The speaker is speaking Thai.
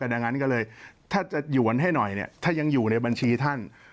ดังนั้นก็เลยถ้าจะหยวนให้หน่อยเนี่ยถ้ายังอยู่ในบัญชีท่าน